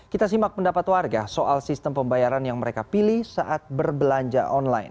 kita simak pendapat warga soal sistem pembayaran yang mereka pilih saat berbelanja online